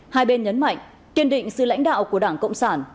hai bên nhấn mạnh kiên định sự lãnh đạo của đảng cộng sản